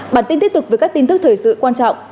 bản tin tiếp tục với các tin tức thời sự quan trọng